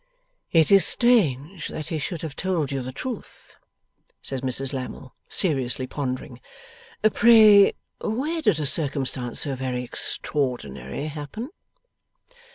'It is strange that he should have told you the truth,' says Mrs Lammle, seriously pondering. 'Pray where did a circumstance so very extraordinary happen?